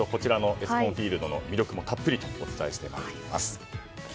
エスコンフィールドの魅力もたっぷりとお伝えします。